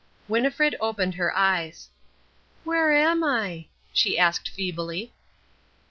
Winnifred opened her eyes. "Where am I?" she asked feebly.